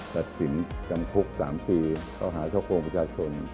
ตัดสินจำคุก๓ปีเข้าหาช่อโกงประชาชน